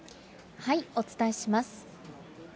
お伝えします。